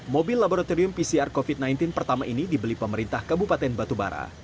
mobil laboratorium pcr covid sembilan belas pertama ini dibeli pemerintah kabupaten batubara